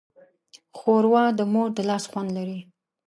ښوروا د مور د لاس خوند لري.